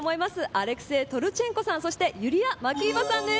アレクセイ・トルチェンコさんそしてユリア・マキーヴァさんです。